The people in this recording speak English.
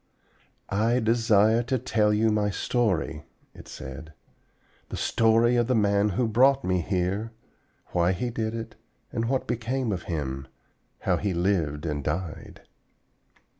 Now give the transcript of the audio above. "I desire to tell you my story," it said; "the story of the man who brought me here; why he did it, and what became of him; how he lived and died.